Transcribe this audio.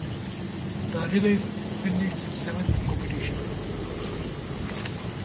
The relay finished seventh in the competition.